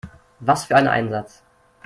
Was für ein Einsatz!